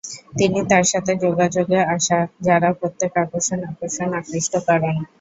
তিনি তার সাথে যোগাযোগে আসা যারা প্রত্যেক আকর্ষণ আকর্ষণ আকৃষ্ট কারণ।